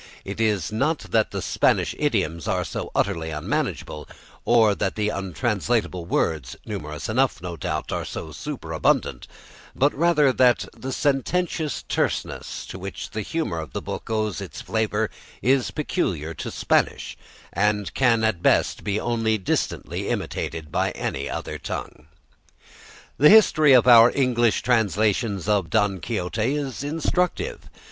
It is not that the Spanish idioms are so utterly unmanageable, or that the untranslatable words, numerous enough no doubt, are so superabundant, but rather that the sententious terseness to which the humour of the book owes its flavour is peculiar to Spanish, and can at best be only distantly imitated in any other tongue. The history of our English translations of "Don Quixote" is instructive.